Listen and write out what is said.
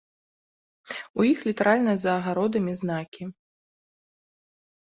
У іх літаральна за агародамі знакі.